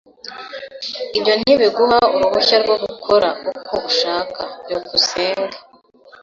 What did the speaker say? Ibyo ntibiguha uruhushya rwo gukora uko ushaka. byukusenge